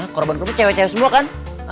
korban korban cewek cewek semua kan